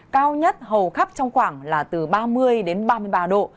cao nhất hầu khắp trong khoảng là từ ba mươi đến ba mươi ba độ